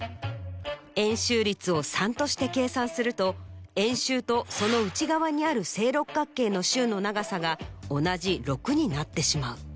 円周率を３として計算すると円周とその内側にある正六角形の周の長さが同じ６になってしまう。